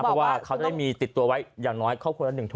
เพราะว่าเขาได้มีติดตัวไว้อย่างน้อยครอบครัวละ๑๐๐